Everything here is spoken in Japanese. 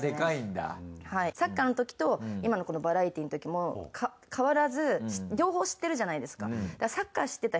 サッカーのときと今のこのバラエティのときも変わらず両方知ってるじゃないですか。